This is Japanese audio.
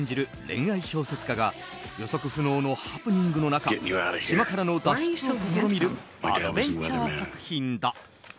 恋愛小説家が予測不能のハプニングの中島からの脱出を試みるアドベンチャー作品だ。